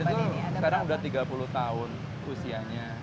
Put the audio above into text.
bandung heritage itu sekarang sudah tiga puluh tahun usianya